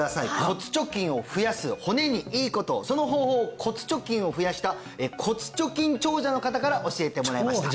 骨貯金を増やす骨にいいことその方法を骨貯金を増やした骨貯金長者の方から教えてもらいました